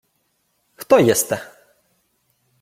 — Хто єсте?